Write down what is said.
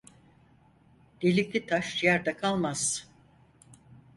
Delikli taş yerde kalmaz.